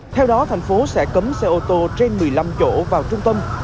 theo đó thành phố sẽ cấm xe ô tô trên một mươi năm chỗ vào trung tâm